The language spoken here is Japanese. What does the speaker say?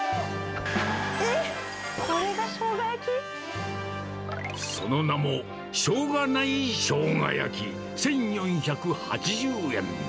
えっ、その名も、しょうがないしょうが焼き１４８０円。